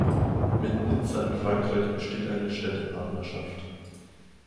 Mit Nizza in Frankreich besteht eine Städtepartnerschaft.